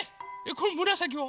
このむらさきは？